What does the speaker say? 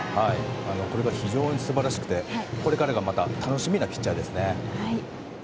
これが非常に素晴らしくてこれからが楽しみなピッチャーですね。